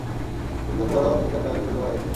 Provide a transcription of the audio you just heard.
তুমি কি মনে করো মিঃ চার্লি কিভাবে মারা গেছে?